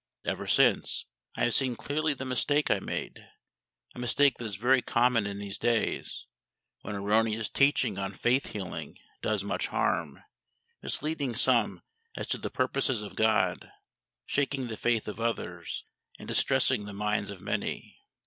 Ever since, I have seen clearly the mistake I made a mistake that is very common in these days, when erroneous teaching on faith healing does much harm, misleading some as to the purposes of GOD, shaking the faith of others, and distressing the minds of many.